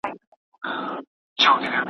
فشار د ګډ کار خنډ ګرځي.